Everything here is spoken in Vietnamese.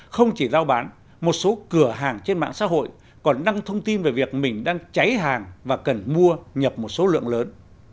không chỉ giao bán một số cửa hàng trên mạng xã hội còn đăng thông tin về việc mình đang cháy hàng và cần mua nhập một số lượng lớn